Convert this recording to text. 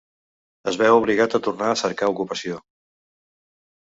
Es veu obligat a tornar a cercar ocupació.